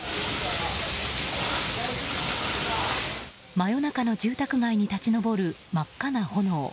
真夜中の住宅街に立ち上る真っ赤な炎。